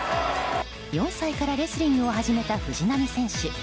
４歳からレスリングを始めた藤波選手。